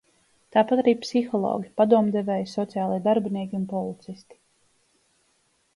Tāpat arī psihologi, padomdevēji, sociālie darbinieki un policisti.